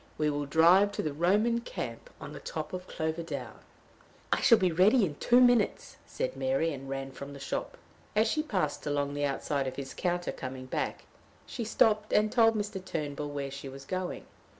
We will drive to the Roman camp on the top of Clover down." "I shall be ready in two minutes," said Mary, and ran from the shop. As she passed along the outside of his counter coming back, she stopped and told Mr. Turnbull where she was going.